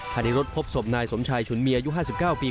หัณฑิรตพบศพนายสมชัยฉุนเมียอยู่๕๙ปี